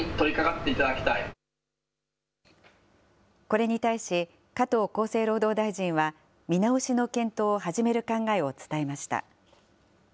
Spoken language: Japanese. これに対し、加藤厚生労働大臣は、見直しの検討を始める考えを伝えました。